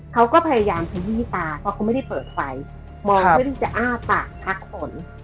เขาก็พยายามขยี้ตาเพราะเขาไม่ได้เปิดไฟมองเพื่อที่จะอ้าปากทักฝน